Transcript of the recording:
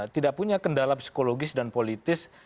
tidak punya kendala psikologis dan politis